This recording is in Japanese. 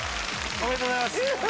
おめでとうございます。